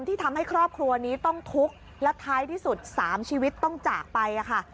ที่ทำให้ครอบครัวนี้ต้องทุกข์และท้ายที่สุด๓ชีวิตต้องจากไปค่ะ